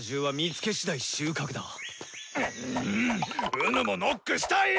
己もノックしたい！